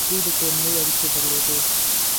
دوی د کورنۍ اړیکې درلودې.